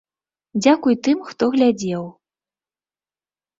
Дзякуй тым, хто глядзеў.